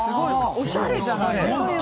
おしゃれじゃない。